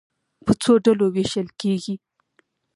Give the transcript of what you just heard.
په څو ډلو وېشل کېږي.